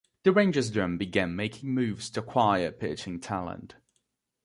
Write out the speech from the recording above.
The Rangers then began making moves to acquire pitching talent.